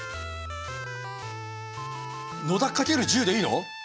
野田掛ける１０でいいの！？